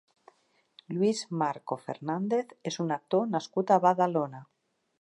Lluís Marco Fernández és un actor nascut a Badalona.